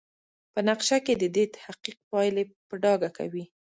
په نقشه کې ددې حقیق پایلې په ډاګه کوي.